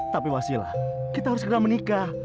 tapi wasilah kita harus segera menikah